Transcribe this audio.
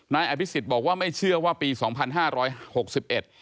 นายอภิษฎบอกว่าไม่เชื่อว่าปีสองพันห้าร้อยหกสิบเอ็ด